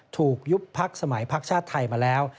ถูกยุบภักดิ์สมัยภักดิ์ชาติไทยมาแล้ว